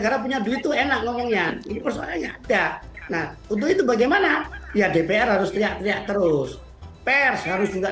karena punya duit enak ngomongnya itu bagaimana ya dpr harus teriak teriak terus pers harus juga